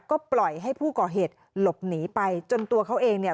ก็ปล่อยให้ผู้ก่อเหตุหลบหนีไปจนตัวเขาเองเนี่ย